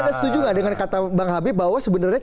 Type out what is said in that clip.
tapi anda setuju gak dengan kata bang habib bahwa sebenarnya cabai